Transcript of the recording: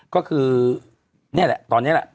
ก็คือนี่ตอนนี้